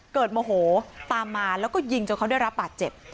โมโหตามมาแล้วก็ยิงจนเขาได้รับบาดเจ็บ